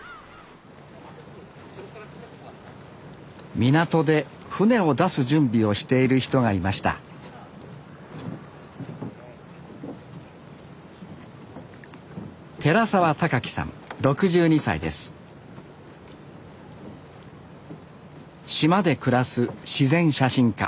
港で船を出す準備をしている人がいました島で暮らす自然写真家。